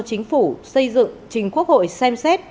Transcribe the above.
chính phủ xây dựng chính quốc hội xem xét